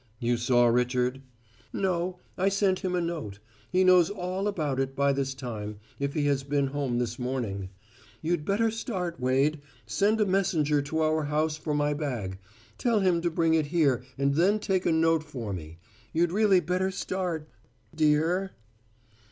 "You saw Richard?" "No. I sent him a note. He knows all about it by this time, if he has been home this morning. You'd better start, Wade. Send a messenger to our house for my bag. Tell him to bring it here and then take a note for me. You'd really better start dear!"